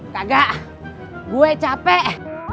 kagak gue capek